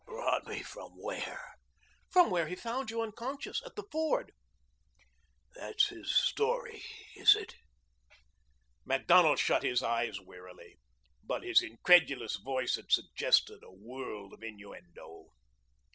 "Brought me from where?" "From where he found you unconscious at the ford." "That's his story, is it?" Macdonald shut his eyes wearily, but his incredulous voice had suggested a world of innuendo.